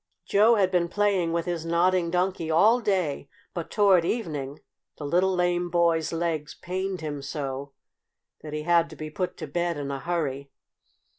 Joe had been playing with his Nodding Donkey all day, but toward evening the little lame boy's legs pained him so that he had to be put to bed in a hurry.